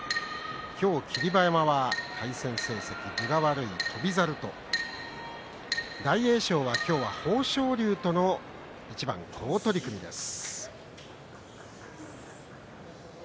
今日、霧馬山は対戦成績分が悪い翔猿と大栄翔は今日は豊昇龍との一番、好取組です。